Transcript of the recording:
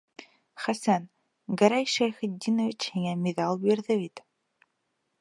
Хәсән, Гәрәй Шәйхетдинович һиңә миҙал бирҙе бит.